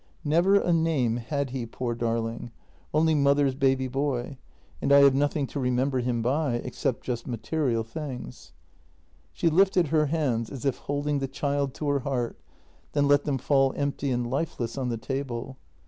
" Never a name had he, poor darling, only mother's baby boy, and I have nothing to remember him by, except just ma terial things." She lifted her hands as if holding the child to her heart, then let them fall empty and lifeless on the table.